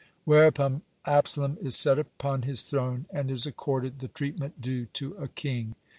Whereupon Absalom is set upon his throne, and is accorded the treatment due to a king.